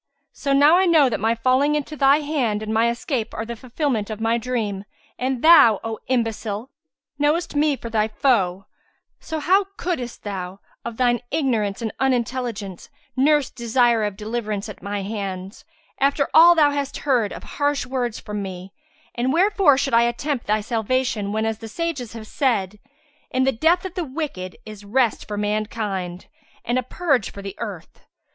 So now I know that my falling into thy hand and my escape are the fulfillment of my dream, and thou, O imbecile, knowest me for thy foe; so how couldest thou, of thine ignorance and unintelligence, nurse desire of deliverance at my hands, after all thou hast heard of harsh words from me; and wherefore should I attempt thy salvation whenas the sages have said, 'In the death of the wicked is rest for mankind and a purge for the earth'?